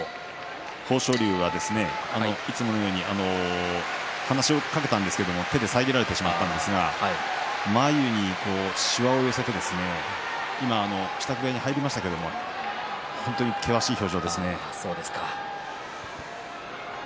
豊昇龍はいつものように話しかけたんですが手で遮られてしまったんですが眉にしわを寄せて今、支度部屋に入りましたけど本当に険しい表情ですね。